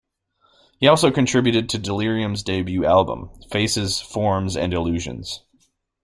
He also contributed to Delerium's debut album, "Faces, Forms and Illusions".